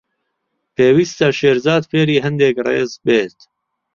پێویستە شێرزاد فێری هەندێک ڕێز بێت.